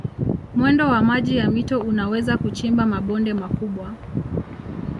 Mwendo wa maji ya mito unaweza kuchimba mabonde makubwa.